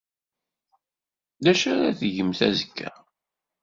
D acu ara tgemt azekka?